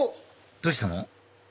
どうしたの？